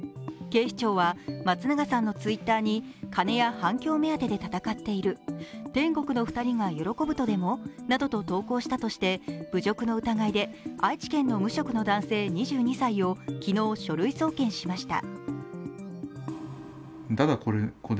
警視庁は、松永さんのＴｗｉｔｔｅｒに金や反響目当てで闘っている、天国の２人が喜ぶとでも？などと投稿したとして、侮辱の疑いで愛知県の無職の男性２２歳を昨日、書類送検しました。